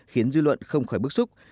khiến dư luận không khỏi bức xúc